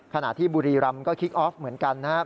ขณะที่บุรีรำก็คิกออฟเหมือนกันนะครับ